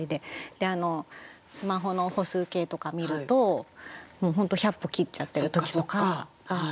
でスマホの歩数計とか見るともう本当１００歩切っちゃってる時とかが割と多いんですよ。